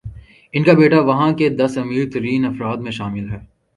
ان کا بیٹا وہاں کے دس امیرترین افراد میں شامل ہے۔